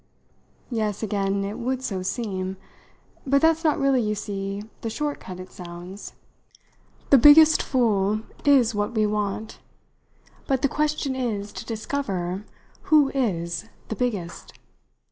Yes again; it would so seem. But that's not really, you see, the short cut it sounds. The biggest fool is what we want, but the question is to discover who is the biggest."